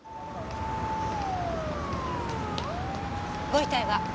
ご遺体は？